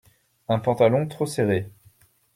Un pantalon trop serré.